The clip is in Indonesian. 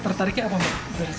tertariknya apa mbak